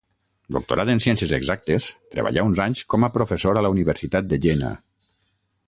Doctorat en Ciències Exactes, treballà uns anys com a professor a la Universitat de Jena.